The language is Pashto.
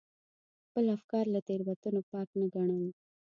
خپل افکار له تېروتنو پاک نه ګڼل.